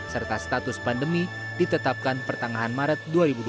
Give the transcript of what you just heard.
serta status pandemi ditetapkan pertengahan maret dua ribu dua puluh